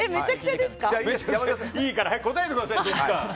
いいから早く答えてくださいよ。